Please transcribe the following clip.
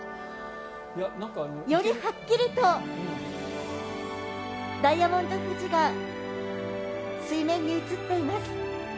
よりはっきりとダイヤモンド富士が水面に映っています。